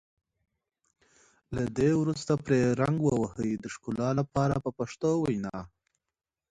له دې وروسته پرې رنګ ووهئ د ښکلا لپاره په پښتو وینا.